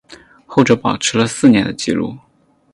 后者保持了四年的纪录。